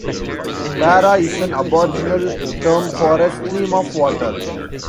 Para is an Aboriginal term for 'a stream of water.